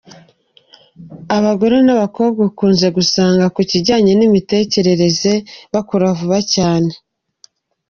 Abagore n’abakobwa ukunze gusanga ku kijyanye n’imitekerereze bakura vuba cyane.